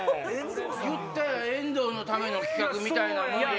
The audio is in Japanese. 言ったら遠藤のための企画みたいなもんやで。